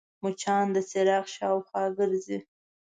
مچان د څراغ شاوخوا ګرځي